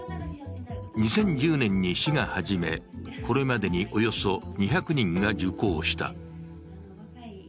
２０１０年に市が始め、これまでにおよそ２００人が受講した。